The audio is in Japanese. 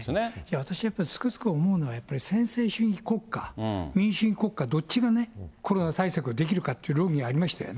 私やっぱつくづく思うのは、専制主義国家、民主主義国家、どっちがコロナ対策できるかっていう論議がありましたよね。